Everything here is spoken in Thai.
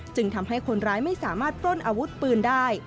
ทำให้คนร้ายไม่สามารถปล้นอาวุธปืนได้